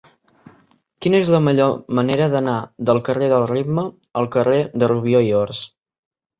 Quina és la millor manera d'anar del carrer del Ritme al carrer de Rubió i Ors?